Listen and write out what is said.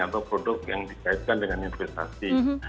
atau produk yang dikaitkan dengan investasi